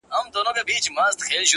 هغه له منځه ولاړ سي،